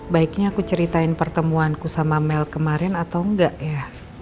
baiknya aku ceritain pertemuanku sama melk kemarin atau enggak ya